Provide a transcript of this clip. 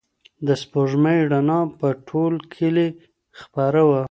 د سپوږمۍ رڼا به په ټول کلي خپره وه.